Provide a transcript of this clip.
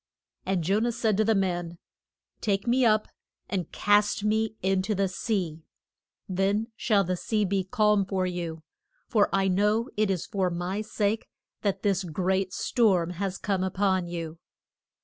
And Jo nah said to the men, Take me up and cast me in to the sea; then shall the sea be calm for you, for I know it is for my sake that this great storm has come up on you.